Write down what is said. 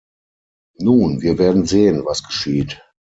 Nun, wir werden sehen, was geschieht.